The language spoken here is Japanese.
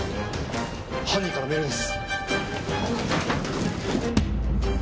犯人からメールです。